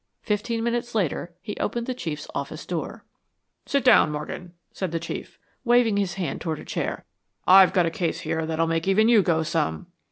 Fifteen minutes later he opened the Chief's office door. "Sit down, Morgan," said the Chief, waving his hand toward a chair. "I've got a case here that'll make even you go some."